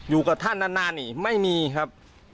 อยู่กับท่านนานอีกไม่มีครับ